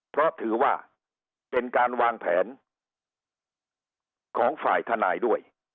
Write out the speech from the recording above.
เพราะถือว่าเป็นการวางแผนของฝ่ายทนายด้วย